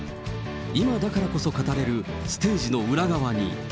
今だからこそ語れるステージの裏側に。